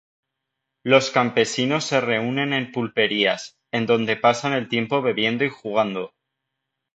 Los campesinos se reúnen en pulperías, en donde pasan el tiempo bebiendo y jugando.